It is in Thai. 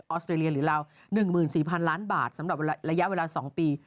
อสเตรเลียหรือราว๑๔๐๐๐ล้านบาทสำหรับระยะเวลา๒ปี